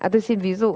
tôi xin ví dụ